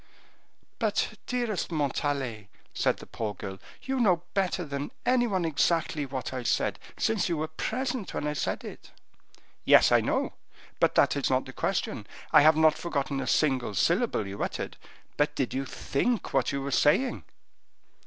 "But, dearest Montalais," said the poor girl, "you know better than any one exactly what I said, since you were present when I said it." "Yes, I know. But that is not the question. I have not forgotten a single syllable you uttered, but did you think what you were saying?"